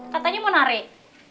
katanya mau tarik